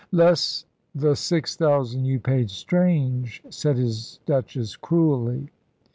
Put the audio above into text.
"Less the six thousand you paid Strange," said his Duchess, cruelly.